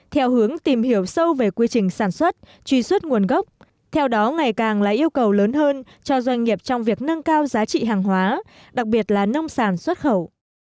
theo hướng tìm hiểu sâu về quy trình sản xuất truy xuất nguồn gốc theo đó ngày càng là yêu cầu lớn hơn cho doanh nghiệp trong việc nâng cao giá trị hàng hóa đặc biệt là nông sản xuất khẩu